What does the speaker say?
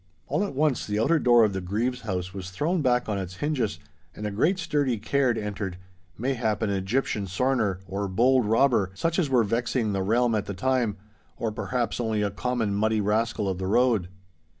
All at once the outer door of the Grieve's house was thrown back on its hinges, and a great sturdy caird entered—mayhap an Egyptian sorner, or bold robber, such as were vexing the realm at the time, or perhaps only a common muddy rascal of the road.